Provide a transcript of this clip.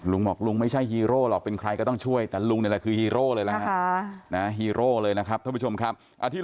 ลุงบอกลุงไม่ใช่ฮีโร่หรอกเป็นใครก็ต้องช่วยแต่ลุงนี่แหละคือฮีโร่เลยนะฮะฮีโร่เลยนะครับท่านผู้ชมครับ